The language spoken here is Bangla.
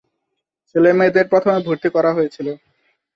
ছেলে-মেয়েদের প্রথমে ভর্তি করা হয়েছিল।